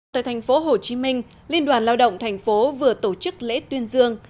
tại thành phố hồ chí minh liên đoàn lao động thành phố vừa tổ chức lễ tuyên dương